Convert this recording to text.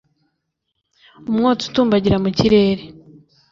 umwotsi utumbagira mu kirere